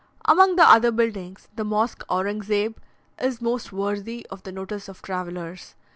Among the other buildings, the Mosque Aurang Zeb is most worthy of the notice of travellers.